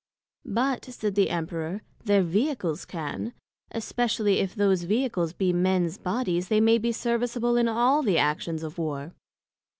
But, said the Emperor, their Vehicles can; especially if those Vehicles be mens Bodies, they may be serviceable in all the actions of War.